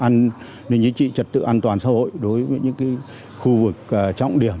nhí trị trật tự an toàn xã hội đối với những khu vực trọng điểm